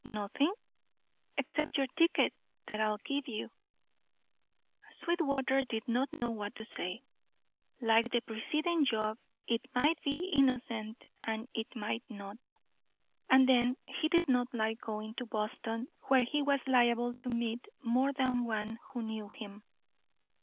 "Nothing?" "Except your ticket; that I'll give you." Sweetwater did not know what to say. Like the preceding job it might be innocent and it might not. And then, he did not like going to Boston, where he was liable to meet more than one who knew him.